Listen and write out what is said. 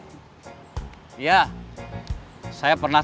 saya pernah terjadi hal yang benar benar terjadi di dunia ini